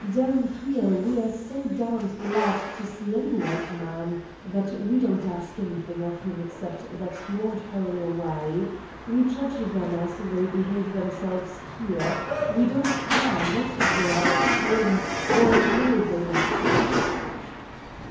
Down here we're so darned glad to see any white man that we don't ask anything of him except that he won't hurry away. We judge them as they behave themselves here; we don't care what they are at home or why they left it."